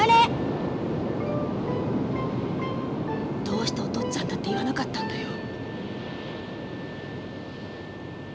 どうしておとっつぁんだって言わなかったんだよ。